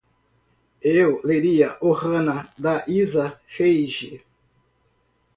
Eu leria Ohana da Isa Feij